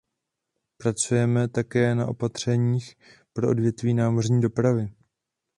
Pracujeme také na opatřeních pro odvětví námořní dopravy.